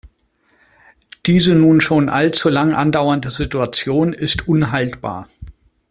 Diese nun schon allzulang andauernde Situation ist unhaltbar.